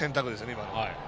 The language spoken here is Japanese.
今のは。